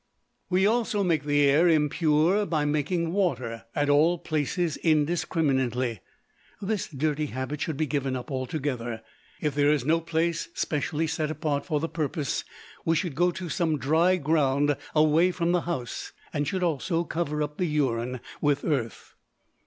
We also make the air impure by making water at all places indiscriminately. This dirty habit should be given up altogether. If there is no place specially set apart for the purpose, we should go to some dry ground away from the house, and should also cover up the urine with earth.